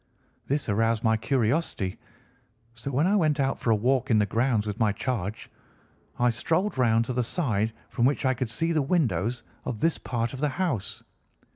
"This aroused my curiosity, so when I went out for a walk in the grounds with my charge, I strolled round to the side from which I could see the windows of this part of the house.